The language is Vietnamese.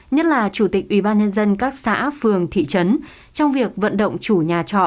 nhất là chủ tịch ủy ban nhân dân các xã phường thị trấn trong việc vận động chủ nhà trọ